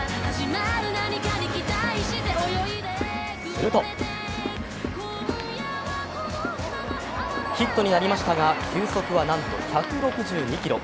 するとヒットになりましたが球速はなんと１６２キロ。